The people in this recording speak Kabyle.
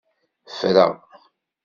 Ffreɣ.